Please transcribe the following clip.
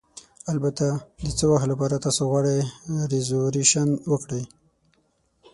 البته، د څه وخت لپاره تاسو غواړئ ریزرویشن وکړئ؟